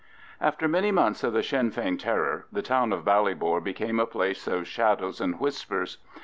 After many months of the Sinn Fein Terror, the town of Ballybor became a place of shadows and whispers.